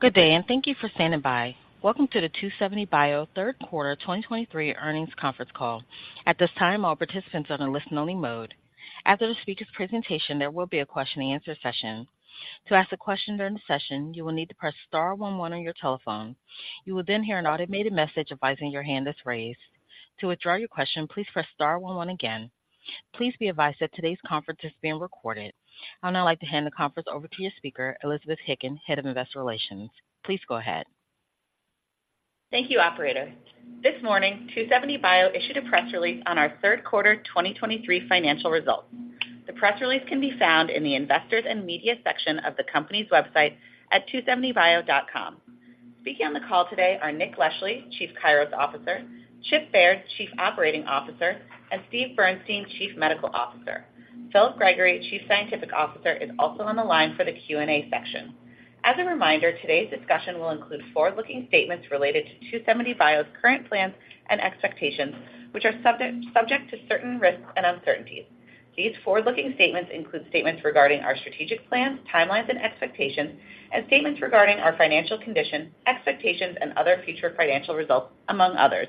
Good day, and thank you for standing by. Welcome to the 2seventy bio Q3 2023 earnings conference call. At this time, all participants are in a listen-only mode. After the speaker's presentation, there will be a question-and-answer session. To ask a question during the session, you will need to press star one one on your telephone. You will then hear an automated message advising your hand is raised. To withdraw your question, please press star one one again. Please be advised that today's conference is being recorded. I would now like to hand the conference over to your speaker, Elizabeth Hickin, Head of Investor Relations. Please go ahead. Thank you, operator. This morning, 2seventy bio issued a press release on our Q3 2023 financial results. The press release can be found in the Investors and Media section of the company's website at 2seventy bio.com. Speaking on the call today are Nick Leschly, Chief Kairos Officer, Chip Baird, Chief Operating Officer, and Steven Bernstein, Chief Medical Officer. Philip Gregory, Chief Scientific Officer, is also on the line for the Q&A section. As a reminder, today's discussion will include forward-looking statements related to 2seventy bio's current plans and expectations, which are subject to certain risks and uncertainties. These forward-looking statements include statements regarding our strategic plans, timelines and expectations, and statements regarding our financial condition, expectations, and other future financial results, among others.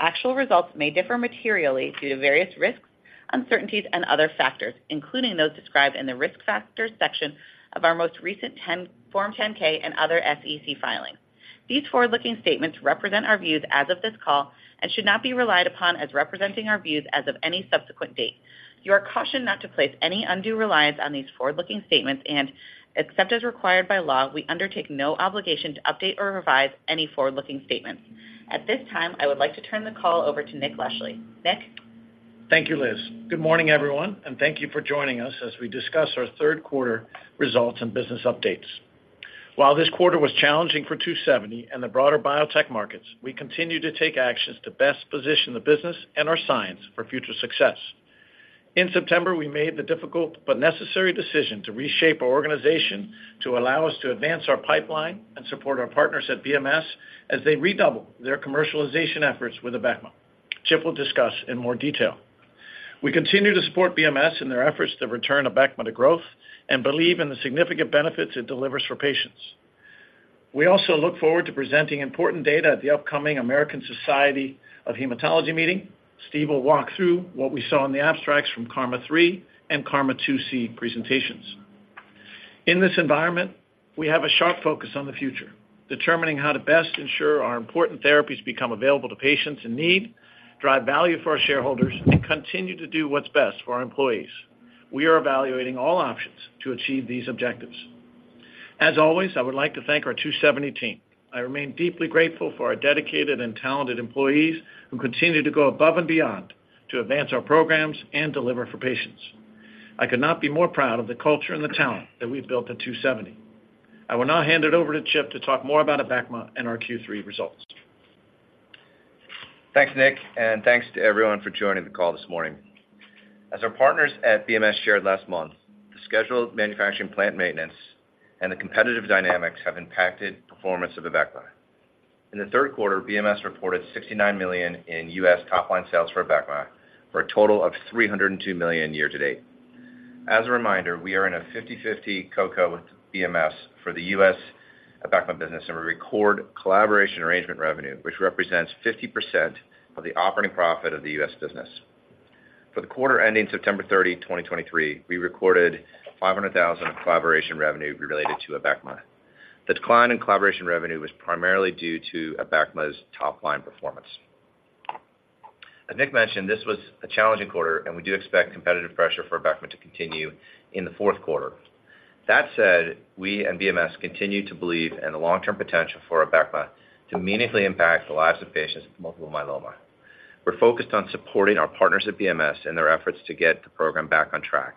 Actual results may differ materially due to various risks, uncertainties, and other factors, including those described in the Risk Factors section of our most recent Form 10-K and other SEC filings. These forward-looking statements represent our views as of this call and should not be relied upon as representing our views as of any subsequent date. You are cautioned not to place any undue reliance on these forward-looking statements, and except as required by law, we undertake no obligation to update or revise any forward-looking statements. At this time, I would like to turn the call over to Nick Leschly. Nick? Thank you, Liz. Good morning, everyone, and thank you for joining us as we discuss our Q3 results and business updates. While this quarter was challenging for 2seventy bio and the broader biotech markets, we continue to take actions to best position the business and our science for future success. In September, we made the difficult but necessary decision to reshape our organization to allow us to advance our pipeline and support our partners at BMS as they redouble their commercialization efforts with Abecma. Chip will discuss in more detail. We continue to support BMS in their efforts to return Abecma to growth and believe in the significant benefits it delivers for patients. We also look forward to presenting important data at the upcoming American Society of Hematology Meeting. Steve will walk through what we saw in the abstracts from KarMMa-3 and KarMMa-2 2C presentations. In this environment, we have a sharp focus on the future, determining how to best ensure our important therapies become available to patients in need, drive value for our shareholders, and continue to do what's best for our employees. We are evaluating all options to achieve these objectives. As always, I would like to thank our 2seventy team. I remain deeply grateful for our dedicated and talented employees who continue to go above and beyond to advance our programs and deliver for patients. I could not be more proud of the culture and the talent that we've built at 2seventy. I will now hand it over to Chip to talk more about Abecma and our Q3 results. Thanks, Nick, and thanks to everyone for joining the call this morning. As our partners at BMS shared last month, the scheduled manufacturing, plant maintenance and the competitive dynamics have impacted performance of Abecma. In the Q3, BMS reported $69 million in U.S. top-line sales for Abecma, for a total of $302 million year to date. As a reminder, we are in a 50/50 co-promotion with BMS for the U.S. Abecma business, and we record collaboration arrangement revenue, which represents 50% of the operating profit of the U.S. business. For the quarter ending September 30, 2023, we recorded $500,000 in collaboration revenue related to Abecma. The decline in collaboration revenue was primarily due to Abecma's top-line performance. As Nick mentioned, this was a challenging quarter and we do expect competitive pressure for Abecma to continue in the Q4. That said, we and BMS continue to believe in the long-term potential for Abecma to meaningfully impact the lives of patients with multiple myeloma. We're focused on supporting our partners at BMS in their efforts to get the program back on track,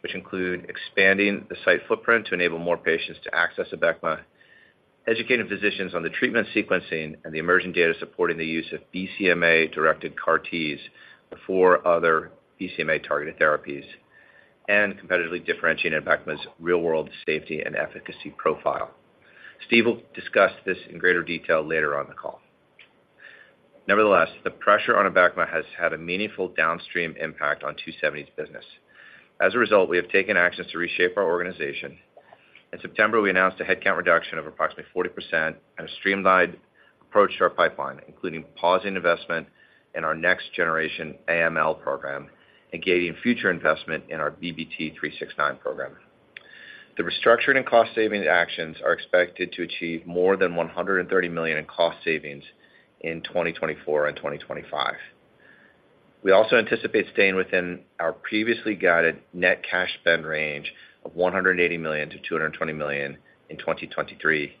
which include expanding the site footprint to enable more patients to access Abecma, educating physicians on the treatment sequencing and the emerging data supporting the use of BCMA-directed CAR Ts before other BCMA-targeted therapies, and competitively differentiating Abecma's real-world safety and efficacy profile. Steve will discuss this in greater detail later on the call. Nevertheless, the pressure on Abecma has had a meaningful downstream impact on 2seventy bio's business. As a result, we have taken actions to reshape our organization. In September, we announced a headcount reduction of approximately 40% and a streamlined approach to our pipeline, including pausing investment in our next generation AML program and gaining future investment in our bbT369 program. The restructuring and cost-saving actions are expected to achieve more than $130 million in cost savings in 2024 and 2025. We also anticipate staying within our previously guided net cash spend range of $180-$220 million in 2023,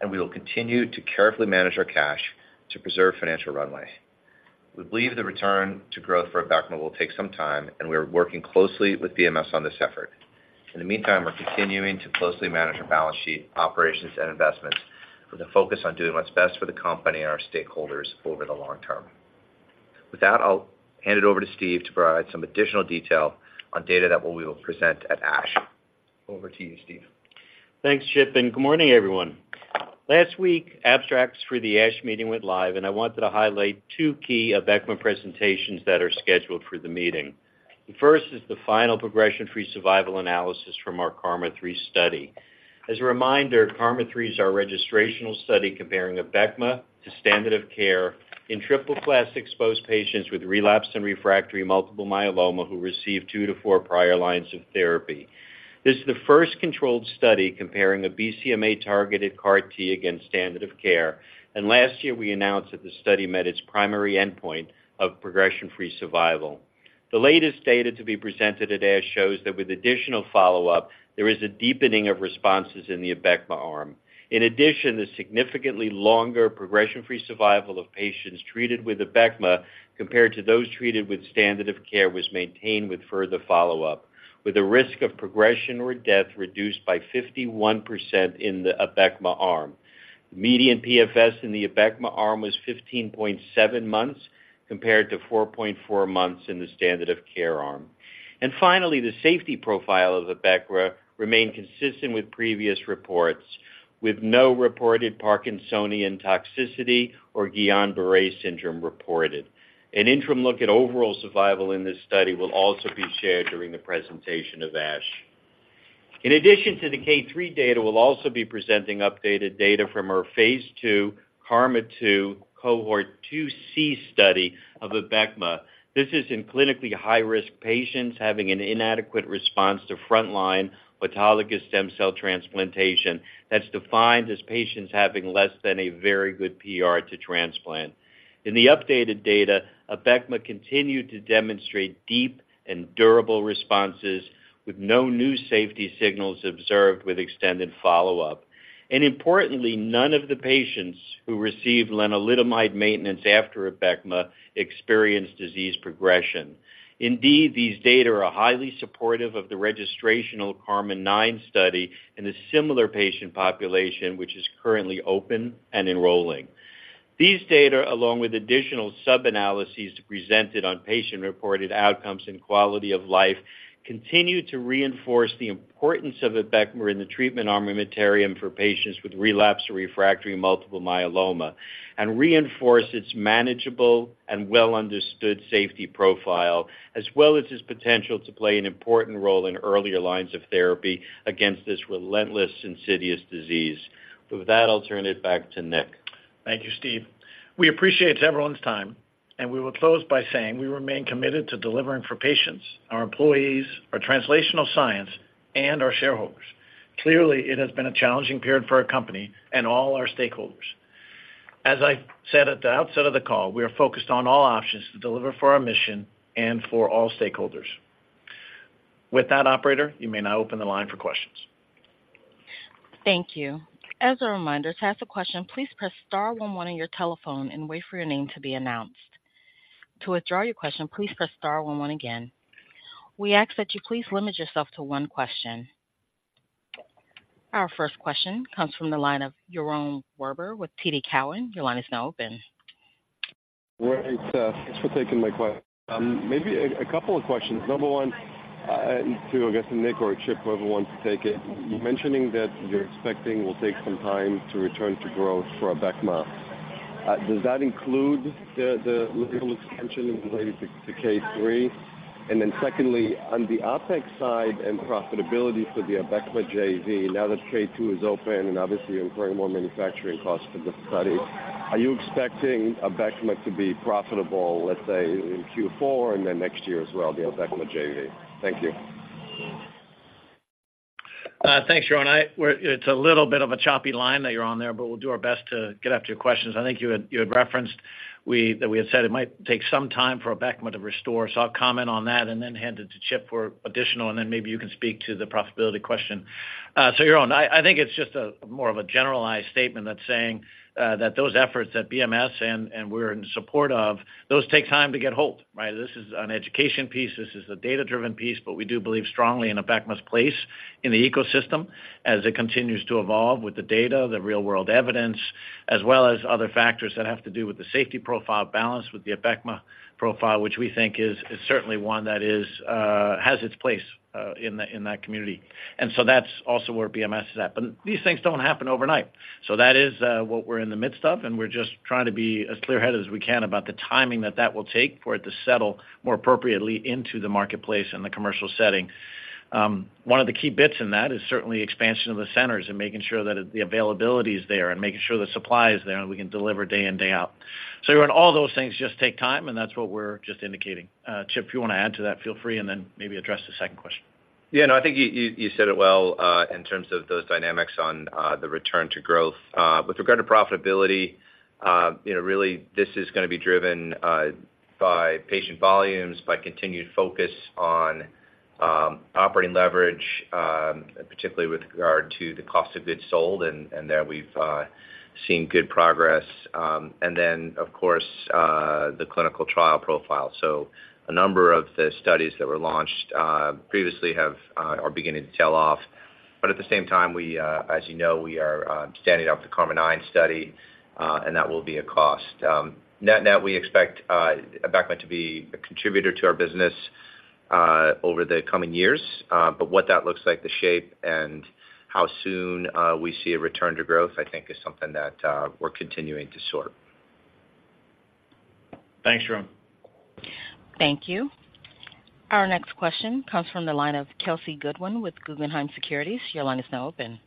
and we will continue to carefully manage our cash to preserve financial runway. We believe the return to growth for Abecma will take some time, and we are working closely with BMS on this effort. In the meantime, we're continuing to closely manage our balance sheet, operations, and investments with a focus on doing what's best for the company and our stakeholders over the long term. With that, I'll hand it over to Steve to provide some additional detail on data that we will present at ASH. Over to you, Steve. Thanks, Chip, and good morning, everyone. Last week, abstracts for the ASH meeting went live, and I wanted to highlight two key Abecma presentations that are scheduled for the meeting. The first is the final progression-free survival analysis from our KarMMa-3 study. As a reminder, KarMMa-3 is our registrational study comparing Abecma to standard of care in triple-class exposed patients with relapsed and refractory multiple myeloma who received two to four prior lines of therapy. This is the first controlled study comparing a BCMA-targeted CAR T against standard of care, and last year, we announced that the study met its primary endpoint of progression-free survival. The latest data to be presented at ASH shows that with additional follow-up, there is a deepening of responses in the Abecma arm. In addition, the significantly longer progression-free survival of patients treated with Abecma compared to those treated with standard of care was maintained with further follow-up, with a risk of progression or death reduced by 51% in the Abecma arm. Median PFS in the Abecma arm was 15.7 months, compared to 4.4 months in the standard of care arm. Finally, the safety profile of Abecma remained consistent with previous reports, with no reported Parkinsonian toxicity or Guillain-Barré syndrome reported. An interim look at overall survival in this study will also be shared during the presentation of ASH. In addition to the K3 data, we'll also be presenting updated data from our phase II KarMMa-2 cohort 2C study of Abecma. This is in clinically high-risk patients having an inadequate response to frontline autologous stem cell transplantation, that's defined as patients having less than a very good PR to transplant. In the updated data, Abecma continued to demonstrate deep and durable responses with no new safety signals observed with extended follow-up. Importantly, none of the patients who received lenalidomide maintenance after Abecma experienced disease progression. Indeed, these data are highly supportive of the registrational KarMMa-9 study in a similar patient population, which is currently open and enrolling. These data, along with additional sub-analyses presented on patient-reported outcomes and quality of life, continue to reinforce the importance of Abecma in the treatment armamentarium for patients with relapsed or refractory multiple myeloma, and reinforce its manageable and well-understood safety profile, as well as its potential to play an important role in earlier lines of therapy against this relentless, insidious disease. With that, I'll turn it back to Nick. Thank you, Steve. We appreciate everyone's time, and we will close by saying we remain committed to delivering for patients, our employees, our translational science, and our shareholders. Clearly, it has been a challenging period for our company and all our stakeholders. As I said at the outset of the call, we are focused on all options to deliver for our mission and for all stakeholders. With that, operator, you may now open the line for questions. Thank you. As a reminder, to ask a question, please press star one one on your telephone and wait for your name to be announced. To withdraw your question, please press star one one again. We ask that you please limit yourself to one question. Our first question comes from the line of Yaron Werber with TD Cowen. Your line is now open. Well, thanks, thanks for taking my question. Maybe a couple of questions. Number one, to, I guess, Nick or Chip, whoever wants to take it. You're mentioning that you're expecting will take some time to return to growth for Abecma. Does that include the label expansion related to K3? And then secondly, on the Abecma side and profitability for the Abecma JV, now that K2 is open and obviously incurring more manufacturing costs for the study, are you expecting Abecma to be profitable, let's say, in Q4 and then next year as well, the Abecma JV? Thank you. Thanks, Yaron. We're—it's a little bit of a choppy line that you're on there, but we'll do our best to get after your questions. I think you referenced that we had said it might take some time for Abecma to restore. So I'll comment on that and then hand it to Chip for additional, and then maybe you can speak to the profitability question. So Yaron, I think it's just more of a generalized statement that's saying that those efforts that BMS and we're in support of, those take time to get hold, right? This is an education piece, this is a data-driven piece, but we do believe strongly in Abecma's place in the ecosystem as it continues to evolve with the data, the real-world evidence, as well as other factors that have to do with the safety profile balance with the Abecma profile, which we think is, is certainly one that is, has its place, in the, in that community. And so that's also where BMS is at. But these things don't happen overnight. So that is, what we're in the midst of, and we're just trying to be as clear-headed as we can about the timing that that will take for it to settle more appropriately into the marketplace and the commercial setting. One of the key bits in that is certainly expansion of the centers and making sure that the availability is there, and making sure the supply is there, and we can deliver day in, day out. So Yaron, all those things just take time, and that's what we're just indicating. Chip, if you want to add to that, feel free, and then maybe address the second question. Yeah, no, I think you said it well in terms of those dynamics on the return to growth. With regard to profitability, you know, really, this is gonna be driven by patient volumes, by continued focus on operating leverage, particularly with regard to the cost of goods sold, and there we've seen good progress, and then, of course, the clinical trial profile. So a number of the studies that were launched previously are beginning to tail off. But at the same time, as you know, we are standing up the KarMMa-9 study, and that will be a cost. Net-net, we expect Abecma to be a contributor to our business over the coming years, but what that looks like, the shape, and how soon we see a return to growth, I think is something that we're continuing to sort. Thanks, Yaron. Thank you. Our next question comes from the line of Kelsey Goodwin with Guggenheim Securities. Your line is now open.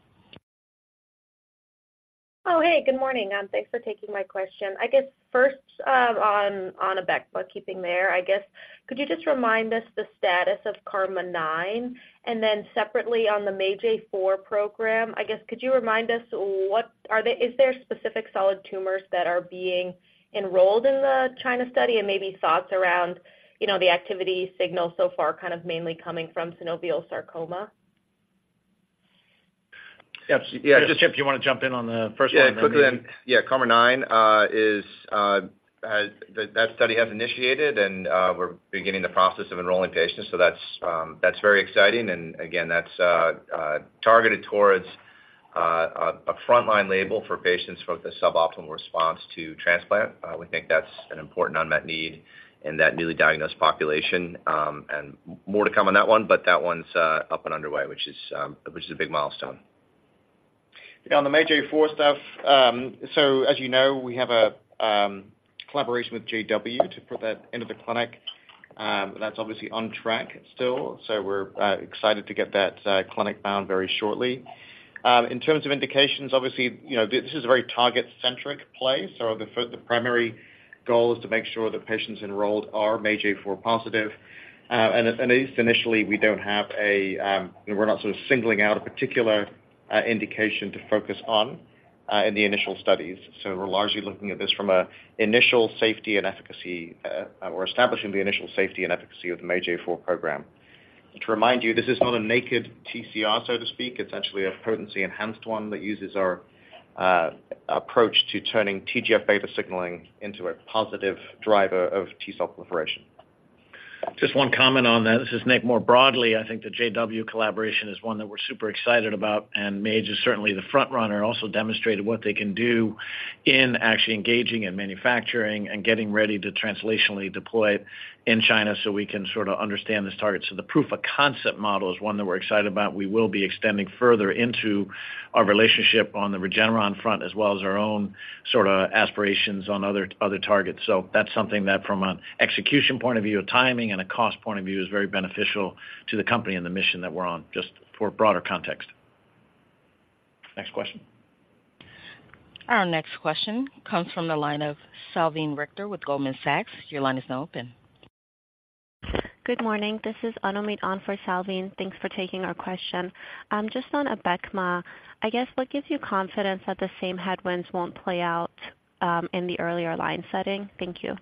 Oh, hey, good morning. Thanks for taking my question. I guess first, on Abecma keeping there, I guess, could you just remind us the status of KarMMa-9? And then separately, on the MAGE-A4 program, I guess, could you remind us, is there specific solid tumors that are being enrolled in the China study, and maybe thoughts around, you know, the activity signal so far, kind of mainly coming from synovial sarcoma? Yes, yeah. Just Chip, do you want to jump in on the first one? Yeah, quickly then, yeah, KarMMa-9, that study has initiated, and we're beginning the process of enrolling patients, so that's very exciting. And again, that's targeted towards a frontline label for patients with a suboptimal response to transplant. We think that's an important unmet need in that newly diagnosed population, and more to come on that one, but that one's up and underway, which is a big milestone. Yeah, on the MAGE-A4 stuff, so as you know, we have a collaboration with JW to put that into the clinic, that's obviously on track still, so we're excited to get that clinic bound very shortly. In terms of indications, obviously, you know, this is a very target-centric play, so the primary goal is to make sure the patients enrolled are MAGE-A4 positive. And at least initially, we don't have a, we're not sort of singling out a particular indication to focus on in the initial studies. So we're largely looking at this from a initial safety and efficacy, or establishing the initial safety and efficacy of the MAGE-A4 program. To remind you, this is not a naked TCR, so to speak. It's actually a potency-enhanced one that uses our approach to turning TGF-beta signaling into a positive driver of T-cell proliferation. Just one comment on that. This is Nick, more broadly, I think the JW collaboration is one that we're super excited about, and MAGE is certainly the front runner, also demonstrated what they can do in actually engaging and manufacturing and getting ready to translationally deploy in China so we can sort of understand this target. So the proof of concept model is one that we're excited about. We will be extending further into our relationship on the Regeneron front, as well as our own sort of aspirations on other targets. So that's something that from an execution point of view, a timing and a cost point of view, is very beneficial to the company and the mission that we're on, just for broader context. Next question. Our next question comes from the line of Salveen Richter with Goldman Sachs. Your line is now open. Good morning. This is Anomit on for Savine. Thanks for taking our question. Just on Abecma, I guess, what gives you confidence that the same headwinds won't play out in the earlier line setting? Thank you.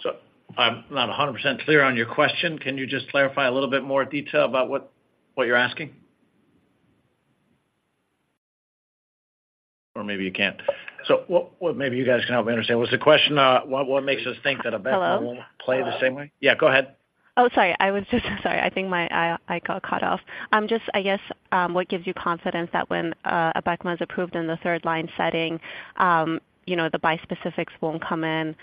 So I'm not 100% clear on your question. Can you just clarify a little bit more detail about what you're asking? Or maybe you can't. So what maybe you guys can help me understand was the question, what makes us think that Abecma won't play the same way? Hello? Yeah, go ahead. Oh, sorry. Sorry, I think I got cut off. Just, I guess, what gives you confidence that when Abecma is approved in the third-line setting, you know, the bispecifics won't come in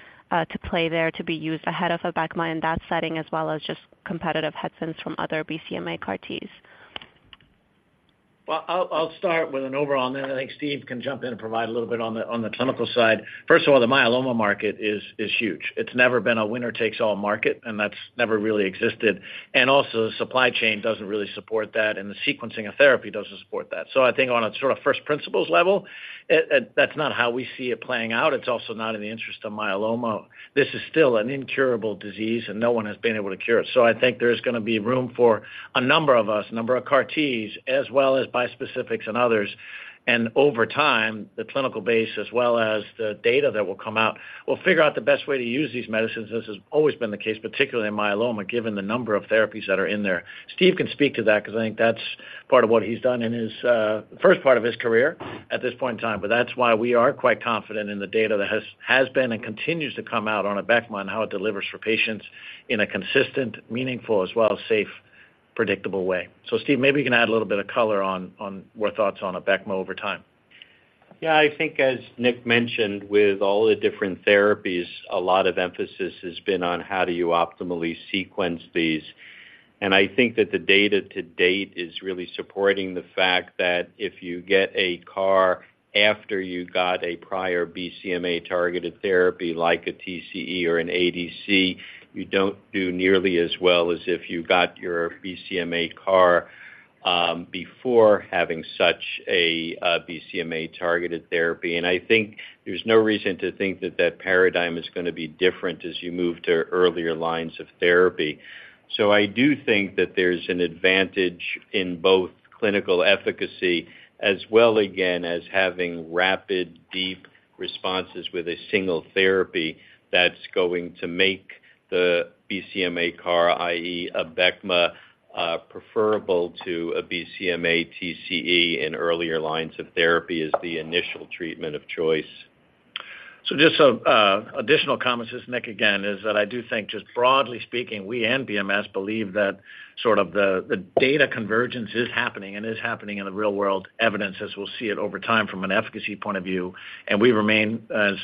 to play there to be used ahead of Abecma in that setting, as well as just competitive headwinds from other BCMA CAR Ts? Well, I'll, I'll start with an overall, and then I think Steve can jump in and provide a little bit on the, on the clinical side. First of all, the myeloma market is, is huge. It's never been a winner-takes-all market, and that's never really existed. And also, the supply chain doesn't really support that, and the sequencing of therapy doesn't support that. So I think on a sort of first principles level, that's not how we see it playing out. It's also not in the interest of myeloma. This is still an incurable disease, and no one has been able to cure it. So I think there's gonna be room for a number of us, a number of CAR Ts, as well as bispecifics and others. Over time, the clinical base, as well as the data that will come out, will figure out the best way to use these medicines. This has always been the case, particularly in myeloma, given the number of therapies that are in there. Steve can speak to that because I think that's part of what he's done in his first part of his career at this point in time. But that's why we are quite confident in the data that has been and continues to come out on Abecma and how it delivers for patients in a consistent, meaningful, as well as safe, predictable way. Steve, maybe you can add a little bit of color on your thoughts on Abecma over time. Yeah, I think as Nick mentioned, with all the different therapies, a lot of emphasis has been on how do you optimally sequence these. And I think that the data to date is really supporting the fact that if you get a CAR after you got a prior BCMA-targeted therapy, like a TCE or an ADC, you don't do nearly as well as if you got your BCMA CAR, before having such a BCMA-targeted therapy. And I think there's no reason to think that that paradigm is gonna be different as you move to earlier lines of therapy. So I do think that there's an advantage in both clinical efficacy as well, again, as having rapid, deep responses with a single therapy that's going to make the BCMA CAR, i.e. Abecma, preferable to a BCMA TCE in earlier lines of therapy is the initial treatment of choice. So just some additional comments, this is Nick again, is that I do think, just broadly speaking, we and BMS believe that sort of the data convergence is happening and is happening in the real world evidence as we'll see it over time from an efficacy point of view. And we remain, as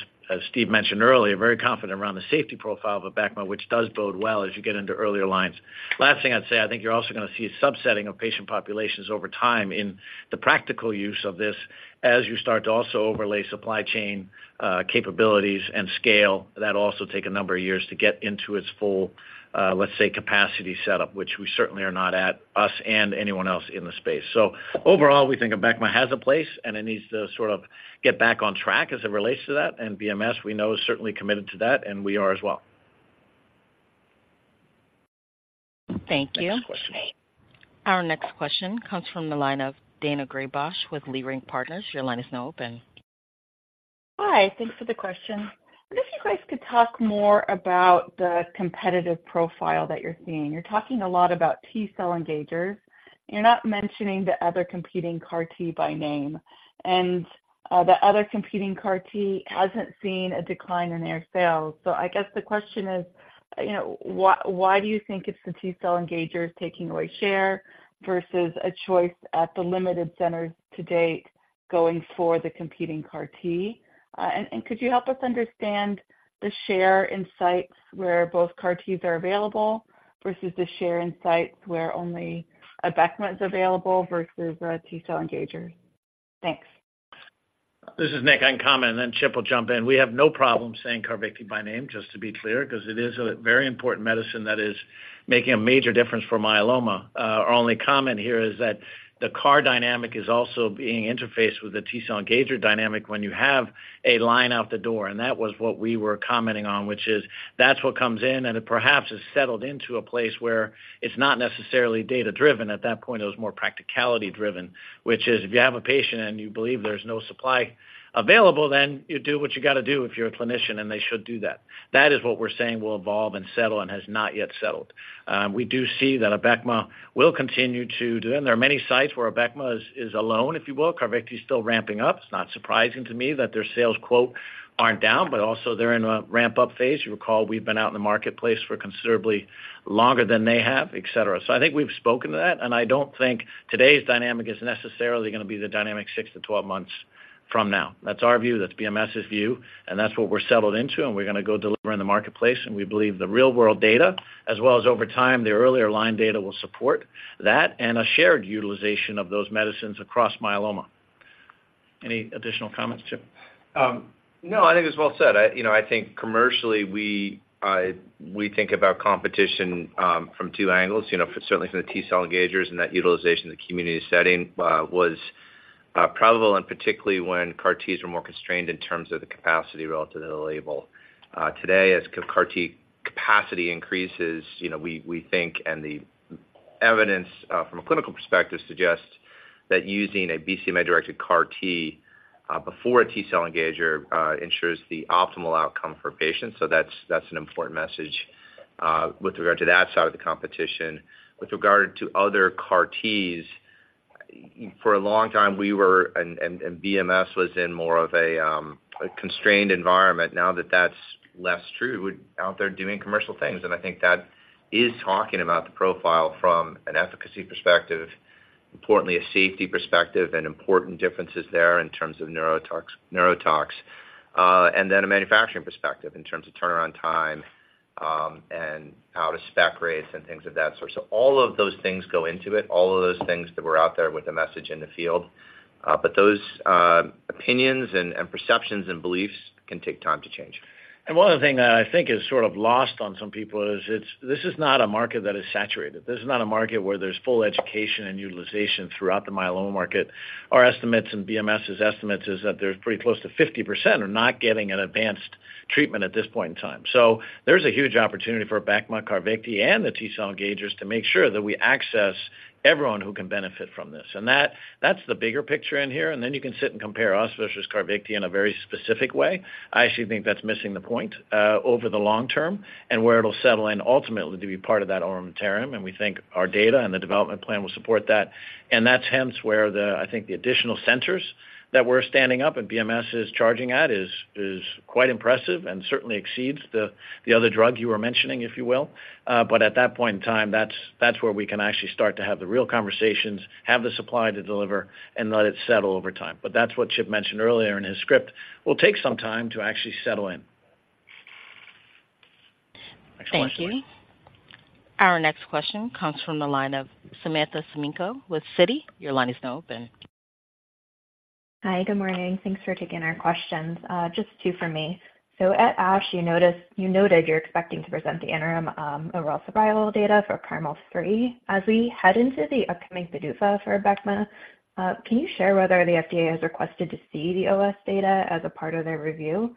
Steve mentioned earlier, very confident around the safety profile of Abecma, which does bode well as you get into earlier lines. Last thing I'd say, I think you're also gonna see a subsetting of patient populations over time in the practical use of this, as you start to also overlay supply chain capabilities and scale, that also take a number of years to get into its full, let's say, capacity setup, which we certainly are not at, us and anyone else in the space. Overall, we think Abecma has a place, and it needs to sort of get back on track as it relates to that, and BMS, we know, is certainly committed to that, and we are as well. Thank you. Next question. Our next question comes from the line of Daina Graybosch with Leerink Partners. Your line is now open. Hi, thanks for the question. I wonder if you guys could talk more about the competitive profile that you're seeing. You're talking a lot about T-Cell Engagers. You're not mentioning the other competing CAR T by name, and the other competing CAR T hasn't seen a decline in their sales. So I guess the question is, you know, why, why do you think it's the T-Cell Engagers taking away share versus a choice at the limited centers to date going for the competing CAR T? And could you help us understand the share in sites where both CAR Ts are available versus the share in sites where only Abecma is available versus T-Cell engagers? Thanks. This is Nick. I can comment, and then Chip will jump in. We have no problem saying Carvykti by name, just to be clear, because it is a very important medicine that is making a major difference for myeloma. Our only comment here is that the CAR dynamic is also being interfaced with the T-cell engager dynamic when you have a line out the door, and that was what we were commenting on, which is that's what comes in, and it perhaps is settled into a place where it's not necessarily data-driven. At that point, it was more practicality-driven, which is if you have a patient and you believe there's no supply available, then you do what you got to do if you're a clinician, and they should do that. That is what we're saying will evolve and settle and has not yet settled. We do see that Abecma will continue to do, and there are many sites where Abecma is alone, if you will. Carvykti is still ramping up. It's not surprising to me that their sales quotes aren't down, but also they're in a ramp-up phase. You recall, we've been out in the marketplace for considerably longer than they have, et cetera. So I think we've spoken to that, and I don't think today's dynamic is necessarily going to be the dynamic 6-12 months from now. That's our view, that's BMS's view, and that's what we're settled into, and we're going to go deliver in the marketplace, and we believe the real-world data, as well as over time, the earlier line data will support that and a shared utilization of those medicines across myeloma. Any additional comments, Chip? No, I think it's well said. You know, I think commercially, we think about competition from two angles, you know, certainly from the T-cell engagers and that utilization in the community setting was probable, and particularly when CAR Ts were more constrained in terms of the capacity relative to the label. Today, as CAR T capacity increases, you know, we think, and the evidence from a clinical perspective suggests that using a BCMA-directed CAR T before a T-cell engager ensures the optimal outcome for patients. So that's an important message with regard to that side of the competition. With regard to other CAR Ts, for a long time, we were, and BMS was in more of a constrained environment. Now that that's less true, we're out there doing commercial things, and I think that is talking about the profile from an efficacy perspective, importantly, a safety perspective, and important differences there in terms of neurotox, neurotox, and then a manufacturing perspective in terms of turnaround time, and out-of-spec rates and things of that sort. So all of those things go into it, all of those things that were out there with the message in the field, but those, opinions and, and perceptions and beliefs can take time to change. One other thing that I think is sort of lost on some people is it's... This is not a market that is saturated. This is not a market where there's full education and utilization throughout the myeloma market. Our estimates and BMS's estimates is that there's pretty close to 50% are not getting an advanced treatment at this point in time. So there's a huge opportunity for Abecma, Carvykti, and the T-cell engagers to make sure that we access everyone who can benefit from this. And that, that's the bigger picture in here, and then you can sit and compare us versus Carvykti in a very specific way. I actually think that's missing the point, over the long term and where it'll settle in ultimately to be part of that armamentarium, and we think our data and the development plan will support that. And that's hence where the, I think, additional centers that we're standing up and BMS is charging at is quite impressive and certainly exceeds the other drug you were mentioning, if you will. But at that point in time, that's where we can actually start to have the real conversations, have the supply to deliver, and let it settle over time. But that's what Chip mentioned earlier in his script. We'll take some time to actually settle in. Thank you. Next question. Our next question comes from the line of Samantha Semenkow with Citi. Your line is now open. Hi, good morning. Thanks for taking our questions. Just two for me. At ASH, you noted you're expecting to present the interim overall survival data for KarMMa-3. As we head into the upcoming PDUFA for Abecma, can you share whether the FDA has requested to see the OS data as a part of their review?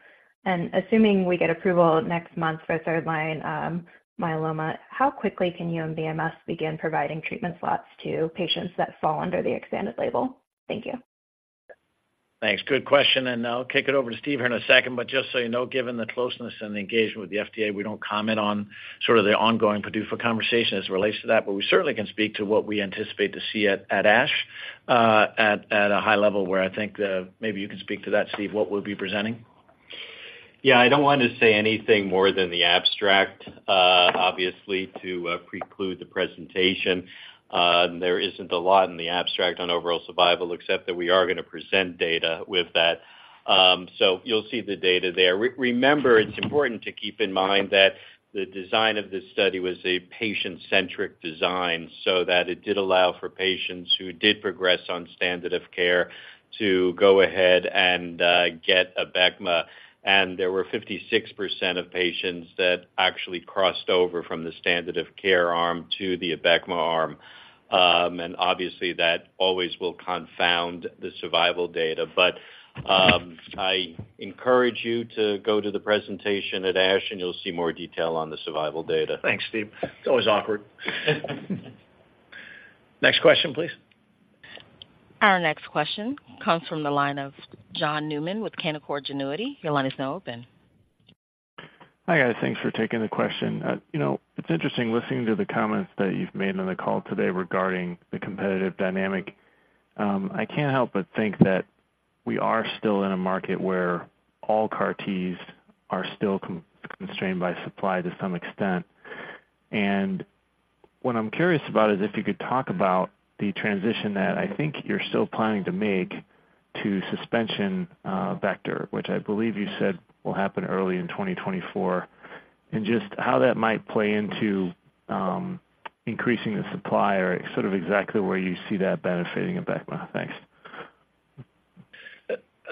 And assuming we get approval next month for third-line myeloma, how quickly can you and BMS begin providing treatment slots to patients that fall under the expanded label? Thank you. Thanks. Good question, and I'll kick it over to Steve here in a second. But just so you know, given the closeness and the engagement with the FDA, we don't comment on sort of the ongoing PDUFA conversation as it relates to that, but we certainly can speak to what we anticipate to see at ASH at a high level, where I think, maybe you can speak to that, Steve, what we'll be presenting. Yeah, I don't want to say anything more than the abstract, obviously, to preclude the presentation. There isn't a lot in the abstract on overall survival, except that we are going to present data with that. So you'll see the data there. Remember, it's important to keep in mind that the design of this study was a patient-centric design, so that it did allow for patients who did progress on standard of care to go ahead and get Abecma. And there were 56% of patients that actually crossed over from the standard of care arm to the Abecma arm. And obviously, that always will confound the survival data. But I encourage you to go to the presentation at ASH, and you'll see more detail on the survival data. Thanks, Steve. It's always awkward. Next question, please. Our next question comes from the line of John Newman with Canaccord Genuity. Your line is now open. Hi, guys. Thanks for taking the question. You know, it's interesting listening to the comments that you've made on the call today regarding the competitive dynamic. I can't help but think that we are still in a market where all CAR-Ts are still constrained by supply to some extent. What I'm curious about is if you could talk about the transition that I think you're still planning to make to suspension vector, which I believe you said will happen early in 2024, and just how that might play into increasing the supply, or sort of exactly where you see that benefiting Abecma. Thanks.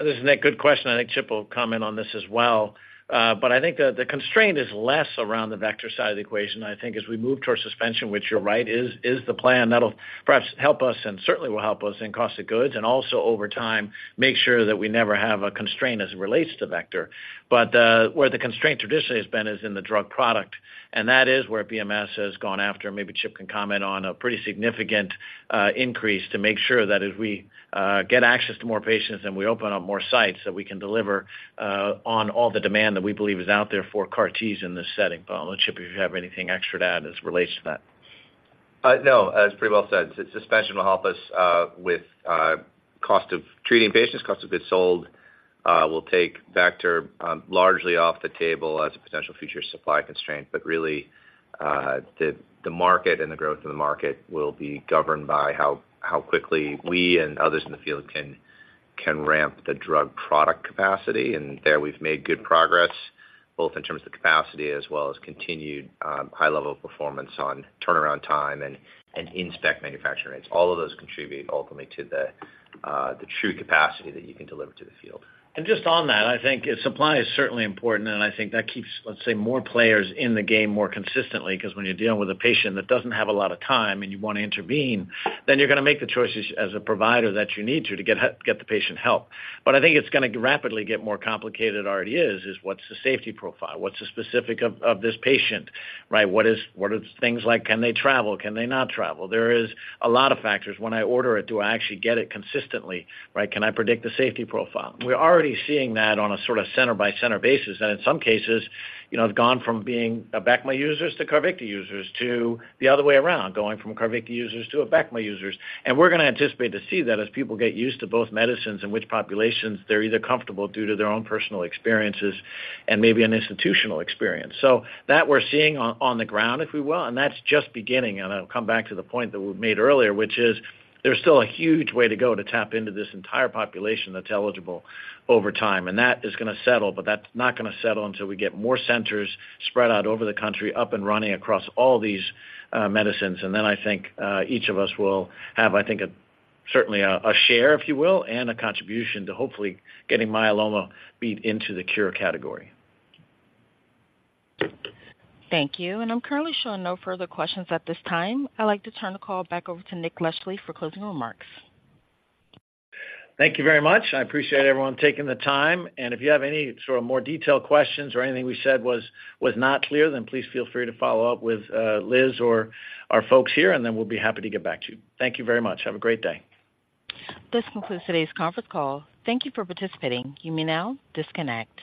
This is Nick, good question. I think Chip will comment on this as well. But I think the, the constraint is less around the vector side of the equation. I think as we move towards suspension, which you're right, is, is the plan, that'll perhaps help us, and certainly will help us in cost of goods, and also, over time, make sure that we never have a constraint as it relates to vector. But, where the constraint traditionally has been is in the drug product, and that is where BMS has gone after. Maybe Chip can comment on a pretty significant, increase to make sure that as we, get access to more patients and we open up more sites, that we can deliver, on all the demand that we believe is out there for CAR Ts in this setting. I'll let Chip, if you have anything extra to add as it relates to that. No, as pretty well said, suspension will help us with cost of treating patients. Cost of goods sold will take vector largely off the table as a potential future supply constraint. But really, the market and the growth of the market will be governed by how quickly we and others in the field can ramp the drug product capacity. There, we've made good progress, both in terms of the capacity as well as continued high level of performance on turnaround time and inspect manufacturing rates. All of those contribute ultimately to the true capacity that you can deliver to the field. Just on that, I think supply is certainly important, and I think that keeps, let's say, more players in the game more consistently. 'Cause when you're dealing with a patient that doesn't have a lot of time and you want to intervene, then you're gonna make the choices as a provider that you need to, to get the patient help. But I think it's gonna rapidly get more complicated than it already is. What's the safety profile? What's the specific of this patient, right? What are things like, can they travel? Can they not travel? There is a lot of factors. When I order it, do I actually get it consistently, right? Can I predict the safety profile? We're already seeing that on a sort of center-by-center basis. In some cases, you know, it's gone from being Abecma users to Carvykti users, to the other way around, going from Carvykti users to Abecma users. We're gonna anticipate to see that as people get used to both medicines in which populations they're either comfortable due to their own personal experiences and maybe an institutional experience. So that we're seeing on the ground, if you will, and that's just beginning. I'll come back to the point that we made earlier, which is there's still a huge way to go to tap into this entire population that's eligible over time. And that is gonna settle, but that's not gonna settle until we get more centers spread out over the country, up and running across all these medicines. Then I think each of us will have, I think, a certain share, if you will, and a contribution to hopefully getting myeloma beat into the cure category. Thank you. I'm currently showing no further questions at this time. I'd like to turn the call back over to Nick Leschly for closing remarks. Thank you very much. I appreciate everyone taking the time. If you have any sort of more detailed questions or anything we said was not clear, then please feel free to follow up with Liz or our folks here, and then we'll be happy to get back to you. Thank you very much. Have a great day. This concludes today's conference call. Thank you for participating. You may now disconnect.